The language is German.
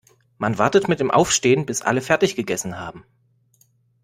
Man wartet mit dem Aufstehen, bis alle fertig gegessen haben.